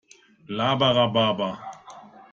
Laber Rhabarber!